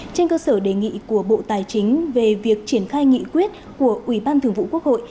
trên cơ sở đề nghị của bộ tài chính về việc triển khai nghị quyết của ủy ban thường vụ quốc hội